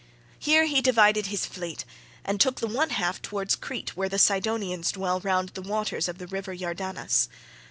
Here he divided his fleet and took the one half towards Crete where the Cydonians dwell round about the waters of the river Iardanus.